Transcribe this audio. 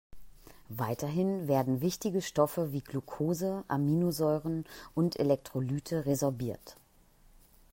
Weiterhin werden wichtige Stoffe wie Glucose, Aminosäuren und Elektrolyte resorbiert.